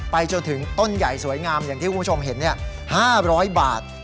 จนถึงต้นใหญ่สวยงามอย่างที่คุณผู้ชมเห็น๕๐๐บาท